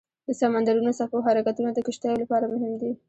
د سمندرونو څپو حرکتونه د کشتیو لپاره مهم دي.